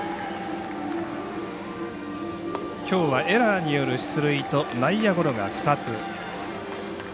きょうはエラーによる出塁と内野ゴロが２つ。